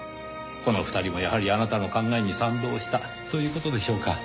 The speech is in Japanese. この２人もやはりあなたの考えに賛同したという事でしょうか？